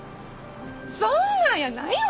そんなんやないわ！